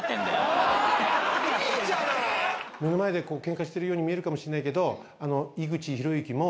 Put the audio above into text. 目の前でケンカしてるように見えるかもしれないけど井口浩之も。